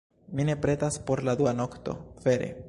Mi ne pretas por la dua nokto, vere.